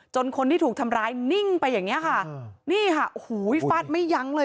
คนที่ถูกทำร้ายนิ่งไปอย่างเงี้ยค่ะนี่ค่ะโอ้โหฟาดไม่ยั้งเลย